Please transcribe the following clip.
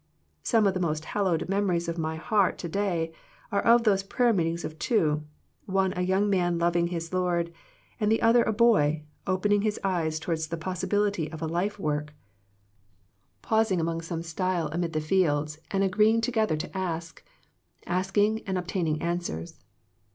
Some of the most hallowed memories of my heart to day are of those meetings of two, one a young man loving his Lord, and the other a boy, open ing his eyes towards the possibility of a life work, pausing' at some stile amid the fields and agree 118 THE PEACTICE OF PEAYEE ing together to ask, asking and obtaining answers.